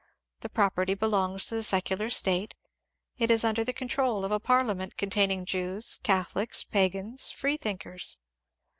The property belongs to the secular State, it is under the control of a parliament containing Jews, Catho lics, pagans, freethinkers.